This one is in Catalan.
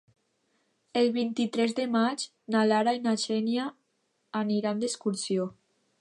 El vint-i-tres de maig na Lara i na Xènia aniran d'excursió.